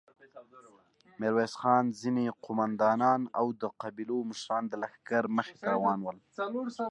ميرويس خان، ځينې قوماندانان او د قبيلو مشران د لښکر مخې ته روان ول.